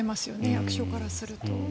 役所からすると。